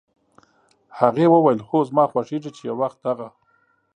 هغې وویل: "هو، زما خوښېږي چې یو وخت دغه